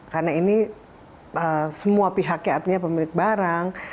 karena ini semua pihaknya artinya pemilik barang